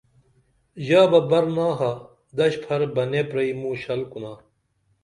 ژا بہ برناخہ دش پھر بنے پرئی موں شل کُنا